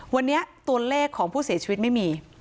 วันนี้ตัวเลขของผู้เสียชีวิตไม่มี